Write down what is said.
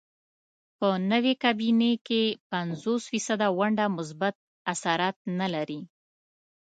په نوې کابینې کې پنځوس فیصده ونډه مثبت اثرات نه لري.